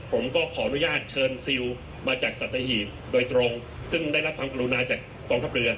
ผมก็ขออนุญาตเชิญซิลมาจากสัตหีบโดยตรงซึ่งได้รับความกรุณาจากกองทัพเรือ